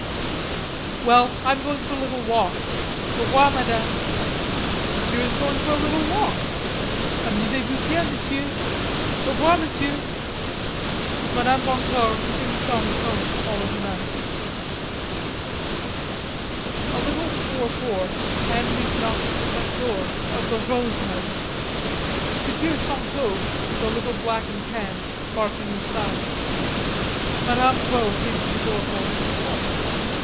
"Well, I'm going for a little walk. Au revoir, Madame." "Monsieur is going for a little walk. Amusez vous bien, Monsieur. Au revoir, Monsieur," Madame Boncour's singsong tones followed him out. A little before four Andrews knocked at the front door of the Rods' house. He could hear Santo, the little black and tan, barking inside. Madame Rod opened the door for him herself.